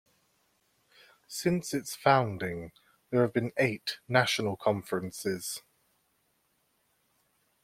Since its founding, there have been eight national conferences.